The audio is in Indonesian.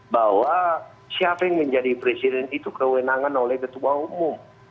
bahwa siapa yang menjadi presiden itu kewenangan oleh ketua umum